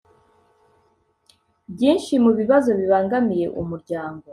byinshi mu bibazo bibangamiye umuryango,